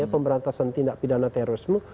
pemberantasan tindak pidana terorisme